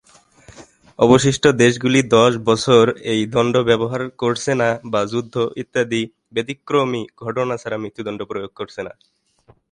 অবশিষ্ট দেশগুলি দশ বছর এই দণ্ড ব্যবহার করছে না বা যুদ্ধ ইত্যাদি ব্যতিক্রমী ঘটনা ছাড়া মৃত্যুদণ্ড প্রয়োগ করছে না।